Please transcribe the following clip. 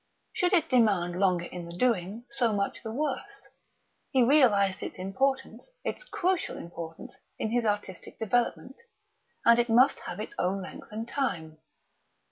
Should it demand longer in the doing, so much the worse; he realised its importance, its crucial importance, in his artistic development, and it must have its own length and time.